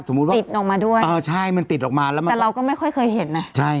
สมมุติว่าติดออกมาด้วยเออใช่มันติดออกมาแล้วแต่เราก็ไม่ค่อยเคยเห็นใช่ไหม